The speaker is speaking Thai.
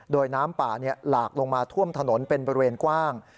โดยน้ำป่าหลากลงมาท่วมถนนเป็นบริเวณกว้าง